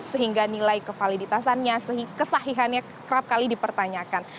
sehingga nilai kevaliditasannya kesahihannya kerap kali dipertanyakan